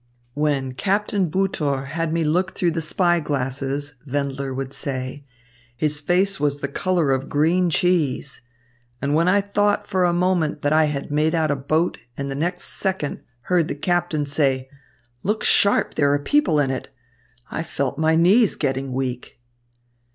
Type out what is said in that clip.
"When Captain Butor had me look through the spy glasses," Wendler would say, "his face was the colour of green cheese. And when I thought for a moment that I made out a boat and the next second heard the captain say, 'Look sharp, there are people in it,' I felt my knees getting weak."